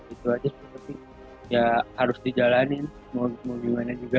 itu aja tapi ya harus dijalani mau gimana juga